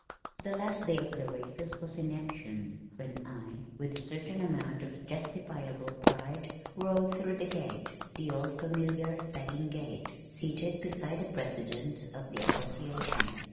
The last day of the races was in action when I, with a certain amount of justifiable pride, rode through the gate (the old familiar sagging gate) seated beside the President of the Association.